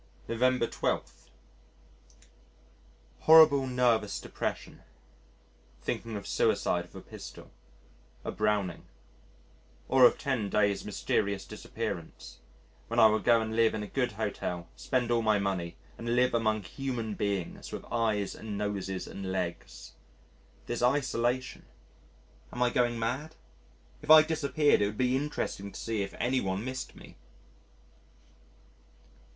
November 12. Horrible nervous depression. Thinking of suicide with a pistol a Browning. Or of 10 days' mysterious disappearance, when I will go and live in a good Hotel, spend all my money, and live among human beings with eyes and noses and legs. This isolation. Am I going mad? If I disappeared, it would be interesting to see if any one missed me.